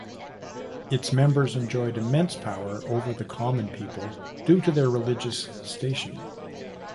Its members enjoyed immense power over the common people due to their religious station.